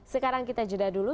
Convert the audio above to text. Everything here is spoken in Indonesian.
sekarang kita jeda dulu